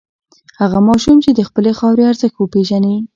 هغه ماشوم چې د خپلې خاورې ارزښت وپېژني.